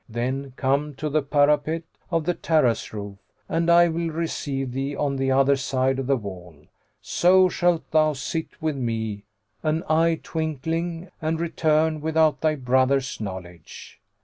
Then come to the parapet[FN#103] of the terrace roof and I will receive thee on the other side of the wall; so shalt thou sit with me an eye twinkling and return without thy brother's knowledge."